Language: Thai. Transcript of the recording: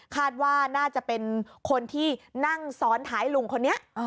คาดว่าน่าจะเป็นคนที่นั่งซ้อนท้ายลุงคนนี้